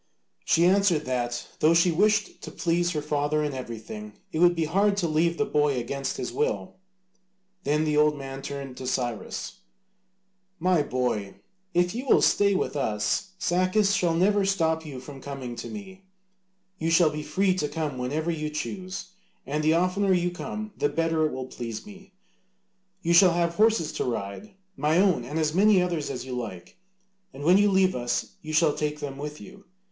She answered that though she wished to please her father in everything, it would be hard to leave the boy against his will. Then the old man turned to Cyrus: "My boy, if you will stay with us, Sacas shall never stop you from coming to me: you shall be free to come whenever you choose, and the oftener you come the better it will please me. You shall have horses to ride, my own and as many others as you like, and when you leave us you shall take them with you.